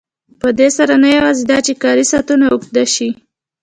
په دې سره نه یوازې دا چې کاري ساعتونه اوږده شي